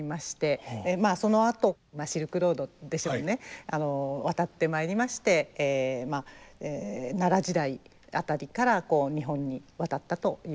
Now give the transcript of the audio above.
そのあとシルクロードでしょうね渡ってまいりまして奈良時代辺りから日本に渡ったというふうにいわれております。